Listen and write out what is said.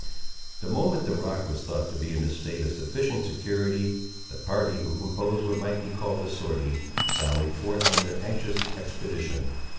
The moment the rock was thought to be in a state of sufficient security, the party who composed what might be called the sortie, sallied forth on their anxious expedition.